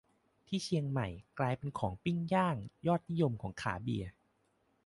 ที่เชียงใหม่ กลายเป็นของปิ้งย่างยอดนิยมของขาเบียร์